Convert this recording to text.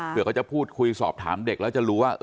เพื่อเขาจะพูดคุยสอบถามเด็กแล้วจะรู้ว่า